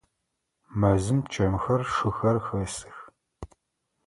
Мэзым чэмхэр, шыхэр хэсых.